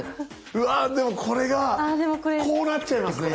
うわでもこれがこうなっちゃいますね。